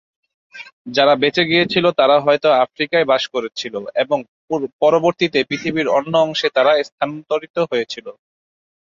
যারা বেঁচে গিয়েছিল তারা হয়তো আফ্রিকায় বাস করছিল এবং পরবর্তীতে পৃথিবীর অন্য অংশে তারা স্থানান্তরিত হয়েছিল।